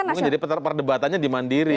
mungkin jadi perdebatannya di mandiri